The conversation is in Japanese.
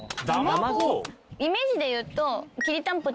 イメージでいうと。